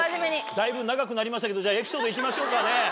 だいぶ長くなりましたけどエピソードいきましょうかね。